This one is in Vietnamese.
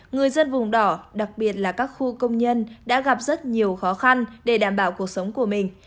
người dân vùng đỏ đặc biệt là các khu công nhân đã gặp rất nhiều khó khăn để đảm bảo cuộc sống của mình